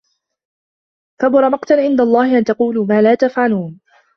كَبُرَ مَقتًا عِندَ اللَّهِ أَن تَقولوا ما لا تَفعَلونَ